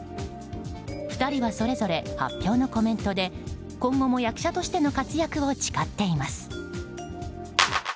２人はそれぞれ発表のコメントで今後も役者としての活躍を誓っています。